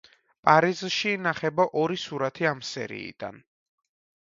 პარიზში ინახება ორი სურათი ამ სერიიდან.